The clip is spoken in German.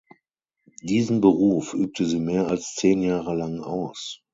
Diesen Beruf übte sie mehr als zehn Jahre lang aus.